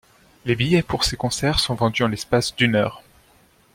Les billets pour ces concerts sont vendus en l'espace d'une heure.